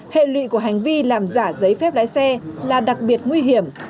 hệ lụy của hành vi làm giả giấy phép lái xe là đặc biệt nguy hiểm